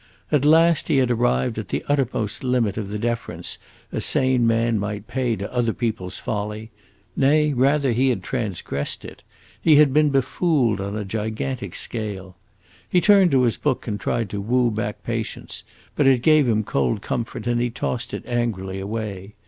At last he had arrived at the uttermost limit of the deference a sane man might pay to other people's folly; nay, rather, he had transgressed it; he had been befooled on a gigantic scale. He turned to his book and tried to woo back patience, but it gave him cold comfort and he tossed it angrily away.